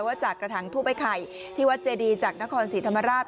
ว่าจากกระถังทูบไอ้ไข่ที่วัดเจดีจากนครศรีธรรมราช